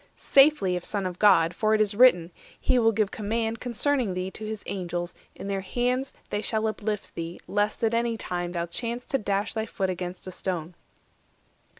Safely, if Son of God; For it is written, 'He will give command Concerning thee to his Angels; in their hands They shall uplift thee, lest at any time Thou chance to dash thy foot against a stone.